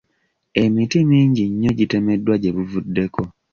Emiti mingi nnyo gitemeddwa gye buvuddeko.